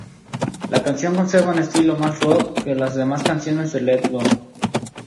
La canción conserva un estilo más "rock" que las demás canciones de "Let Go".